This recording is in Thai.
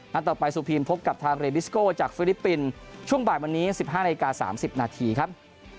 ต่อไปสุพีมพบกับทางเรบิสโก้จากฟิลิปปินส์ช่วงบ่ายวันนี้๑๕นาฬิกา๓๐นาทีครับ